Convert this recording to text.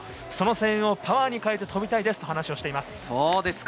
その声援をパワーに変えて飛びたいですと話しています。